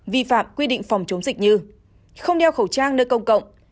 vi phạm quy định phòng chống dịch như không đeo khẩu trang nơi công cộng